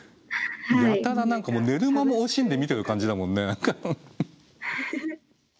やたら寝る間も惜しんで見てる感じだもんね。